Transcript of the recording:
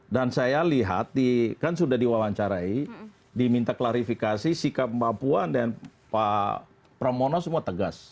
dan saya lihat kan sudah diwawancarai diminta klarifikasi sikap pak puan dan pak pramono semua tegas